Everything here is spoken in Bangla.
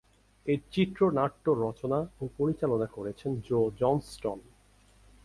এর চিত্রনাট্য রচনা ও পরিচালনা করেছেন জো জনস্টন।